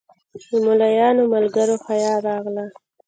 له ملایانو ملګرو حیا راغله.